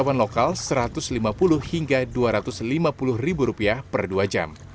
jadi yang ini rumah bulun